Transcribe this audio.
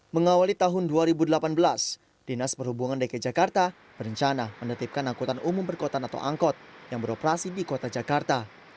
mengawali tahun dua ribu delapan belas dinas perhubungan dki jakarta berencana menetipkan angkutan umum perkotaan atau angkot yang beroperasi di kota jakarta